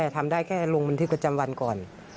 ทำได้แค่ลงบันทึกประจำวันก่อน